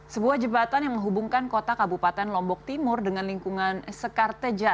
sebuah jembatan yang menghubungkan kota kabupaten lombok timur dengan lingkungan sekarteja